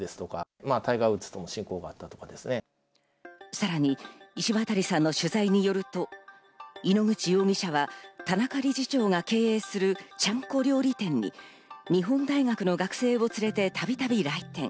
さらに石渡さんの取材によると、井ノ口容疑者は田中理事長が経営する、ちゃんこ料理店に日本大学の学生を連れてたびたび来店。